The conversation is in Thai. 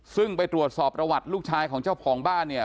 ซึ่งไปตรวจสอบประวัติลูกชายของเจ้าของบ้านเนี่ย